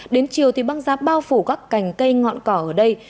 đến chiều thì băng giá bao phủ các cành cây ngọn cỏ ở đây